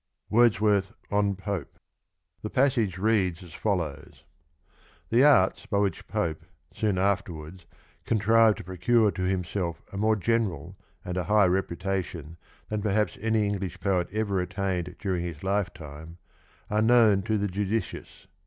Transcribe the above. The passage reads as follows : m^p^pI^'^*^ " The arts by which Pope, soon afterwards, con trived to procure to himself a more general and a higher reputation than perhaps any English Poet ever attained during his lifetime, are known to the judicious.